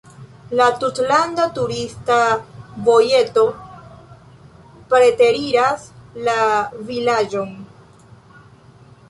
La tutlanda turista vojeto preteriras la vilaĝon.